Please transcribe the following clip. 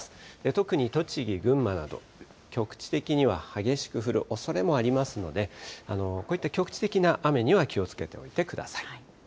特に栃木、群馬など、局地的には激しく降るおそれもありますので、こういった局地的な雨には気をつけておいてください。